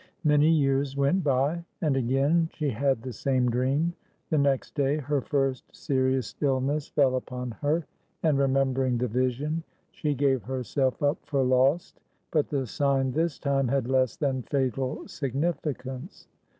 Many years went by, and again she had the same dream; the next day her first serious illness fell upon her, and, remembering the vision, she gave herself up for lost; but the sign this time had less than fatal significance.